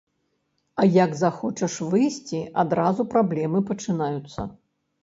А як захочаш выйсці, адразу праблемы пачынаюцца.